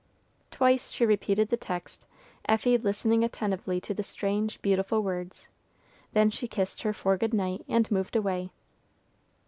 Twice she repeated the text, Effie listening attentively to the strange, beautiful words; then she kissed her for good night, and moved away.